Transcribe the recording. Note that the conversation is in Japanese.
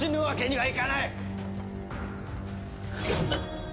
はい。